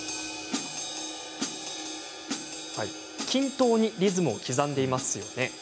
均等にリズムを刻んでいますね。